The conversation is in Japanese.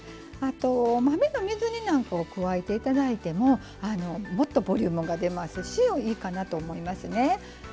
あと豆の水煮なんかを加えて頂いてももっとボリュームが出ますしいいかなと思いますね。